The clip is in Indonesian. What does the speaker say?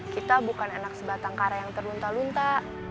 kita bukan anak sebatang kara yang terlunta lunta